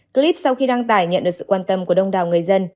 clip sau khi đăng tải nhận được sự quan tâm của đông đảo người dân